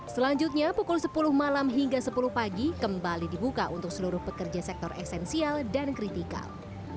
selanjutnya pukul sepuluh malam hingga sepuluh pagi kembali dibuka untuk seluruh pekerja sektor esensial dan kritikal